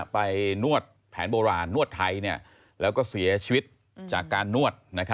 นวดแผนโบราณนวดไทยแล้วก็เสียชีวิตจากการนวด